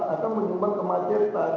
akan menyumbang kemacetan